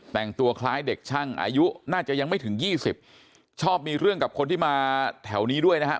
แต่งตัวคล้ายเด็กช่างอายุน่าจะยังไม่ถึงยี่สิบชอบมีเรื่องกับคนที่มาแถวนี้ด้วยนะฮะ